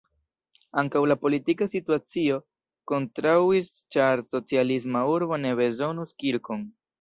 Ankaŭ la politika situacio kontraŭis, ĉar "socialisma urbo ne bezonus kirkon"!